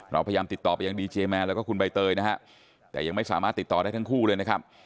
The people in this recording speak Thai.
เราพยายามติดต่อไปยังดีเจแมนแล้วก็คุณใบเตยนะฮะแต่ยังไม่สามารถติดต่อได้ทั้งคู่เลยนะครับ